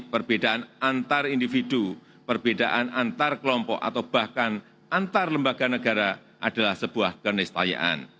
perbedaan antar individu perbedaan antar kelompok atau bahkan antar lembaga negara adalah sebuah kenistayaan